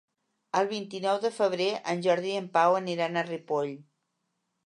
El vint-i-nou de febrer en Jordi i en Pau aniran a Ripoll.